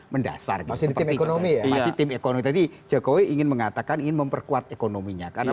mendasar di ekonomi ekonomi jadi jokowi ingin mengatakan ingin memperkuat ekonominya karena